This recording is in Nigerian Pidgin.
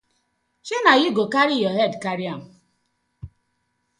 Shey na yu go karry yu head carry am.